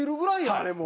あれもう。